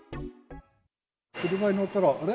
車に乗ったら、あれ？